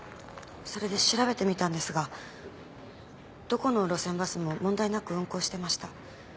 それで調べてみたんですがどこの路線バスも問題なく運行してました。